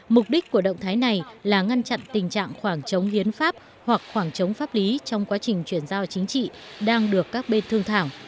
mục đích của động thái này là ngăn chặn tình trạng khoảng trống hiến pháp hoặc khoảng trống pháp lý trong quá trình chuyển giao chính trị đang được các bên thương thảo